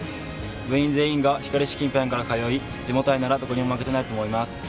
部員全員が光市近辺から通い地元愛ならどこにも負けていないと思います。